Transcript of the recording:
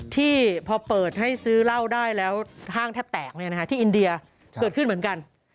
ที่พอเปิดให้ซื้อเหล้าได้แล้วห้างแทบแตกที่อินเดียเกิดขึ้นเหมือนกัน